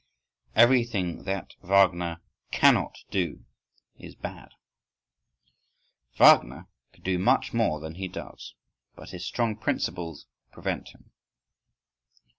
Everything that Wagner cannot do is bad. Wagner could do much more than he does; but his strong principles prevent him.